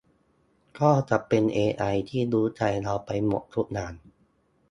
ก็จะเป็นเอไอที่รู้ใจเราไปหมดทุกอย่าง